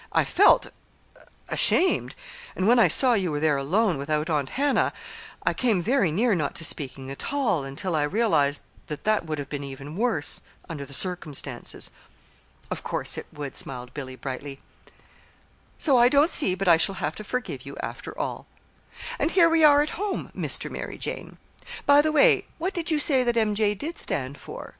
"I felt ashamed. And when I saw you were there alone without Aunt Hannah, I came very near not speaking at all until I realized that that would be even worse, under the circumstances." "Of course it would," smiled Billy, brightly; "so I don't see but I shall have to forgive you, after all. And here we are at home, Mr. Mary Jane. By the way, what did you say that 'M. J.' did stand for?"